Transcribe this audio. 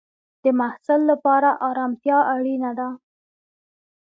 د محصل لپاره ارامتیا اړینه ده.